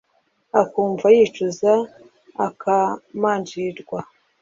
akumva yicuza, akamanjirwa